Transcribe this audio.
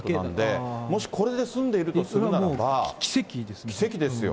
もしこれで済んでいるとする奇跡ですね。